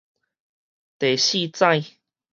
第四指